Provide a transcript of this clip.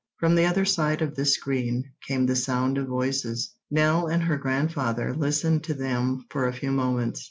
From the other side of this screen came the sound of voices. Nell and her grandfather listened to them for a few moments.